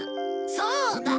そうだ！